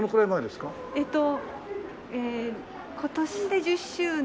えっと今年で１０周年。